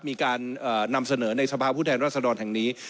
มีการนำเสนอในสภาพผู้แทนรัศดรแห่งนี้